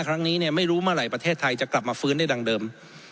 ครั้งนี้ไม่รู้เมื่อไหร่ประเทศไทยจะกลับมาฟื้นได้ดังเดิม